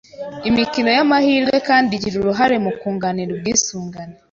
Imikino y’amahirwe kandi igira uruhare mu kunganira ubwisungane